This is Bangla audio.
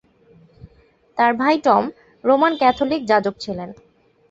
তার ভাই টম রোমান ক্যাথলিক যাজক ছিলেন।